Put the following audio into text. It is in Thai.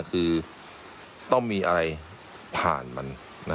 คือต้องมีอะไรผ่านมัน